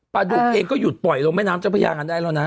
ดุเองก็หยุดปล่อยลงแม่น้ำเจ้าพระยากันได้แล้วนะ